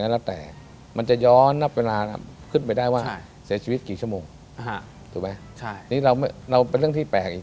เราเป็นเรื่องที่แปลกอีก